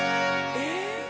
えっ？